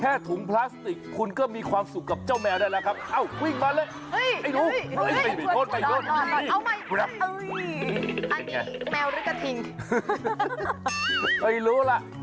ถุงพลาสติกคุณก็มีความสุขกับเจ้าแมวได้แล้วครับ